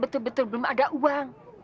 betul betul belum ada uang